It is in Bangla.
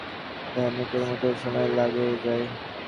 পুরো বাগান ঘুরে দেখতে গেলে ঘণ্টা খানেকের মতো সময় লেগেই যায়।